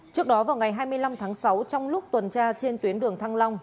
trước đó vào ngày hai mươi năm tháng sáu trong lúc tuần tra trên tuyến đường thăng long